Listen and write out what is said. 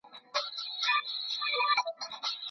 د بې ځایه اخيستلو مخه ونیسئ.